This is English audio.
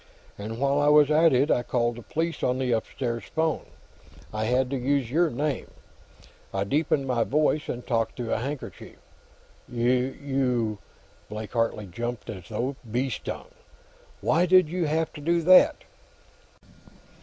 And while I was at it, I called the police, on the upstairs phone. I had to use your name; I deepened my voice and talked through a handkerchief." "You " Blake Hartley jumped as though bee stung. "Why did you have to do that?"